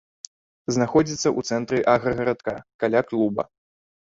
Знаходзіцца у цэнтры аграгарадка, каля клуба.